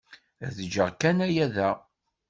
Ad ǧǧeɣ kan aya da.